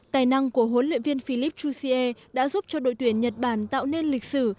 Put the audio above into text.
tài năng của huấn luyện viên philippe jouzier đã giúp cho đội tuyển nhật bản tạo nên lịch sử